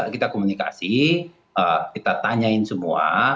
kita komunikasi kita tanyain semua